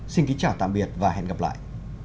xin kính chào tạm biệt và hẹn gặp lại